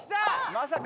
まさか？